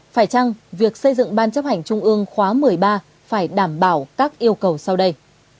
phải chăng việc xây dựng ban chấp hành trung ương khóa một mươi ba phải đảm bảo các yêu cầu sau đây